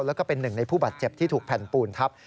แล้วก็เป็นหนึ่งในผู้บาดเจ็บที่ถูกแผ่นปูนทับ